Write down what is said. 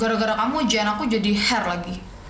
gara gara kamu ujian aku jadi hair lagi